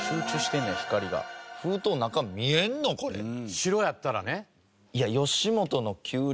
白やったらね。